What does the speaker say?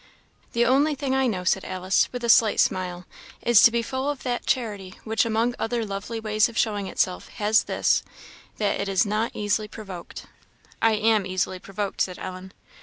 "The only thing I know," said Alice, with a slight smile, "is to be full of that charity which among other lovely ways of showing itself, has this that it is 'not easily provoked.' " "I am easily provoked," said Ellen.